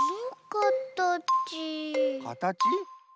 かたち？